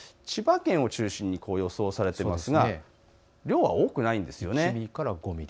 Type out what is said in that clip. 千葉県を中心に予想されていますが量は多くないんですよね。